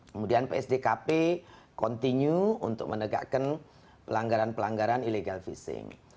kemudian psdkp continue untuk menegakkan pelanggaran pelanggaran illegal fishing